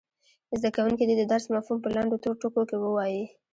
زده کوونکي دې د درس مفهوم په لنډو ټکو کې ووايي.